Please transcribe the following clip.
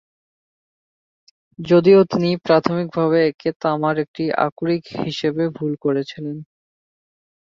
যদিও তিনি প্রাথমিকভাবে একে তামার একটি আকরিক হিসেবে ভুল করেছিলেন।